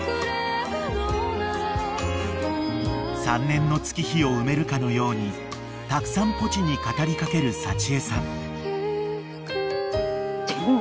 ［３年の月日を埋めるかのようにたくさんポチに語りかける幸枝さん］